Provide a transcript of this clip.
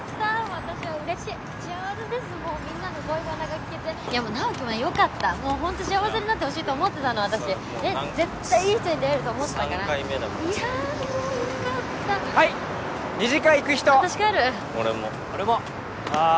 私はうれしい幸せですもうみんなの恋バナが聞けてでも直己もよかったほんと幸せになってほしいと思ってたの私えっ絶対いい人に出会えると思ってたからいやもうよかったはい二次会行く人私帰る俺も俺もあ